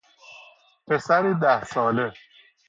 پسری ده ساله